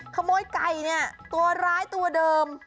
ขโมยไก่เนี่ยตัวร้ายตัวเดิม